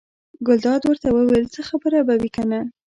ګلداد ورته وویل: څه خبره به وي کنه.